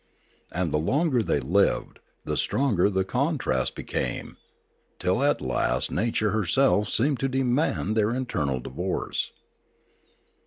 And the longer they lived, the stronger the contrast became, till at last nature herself seemed to demand their eternal divorce.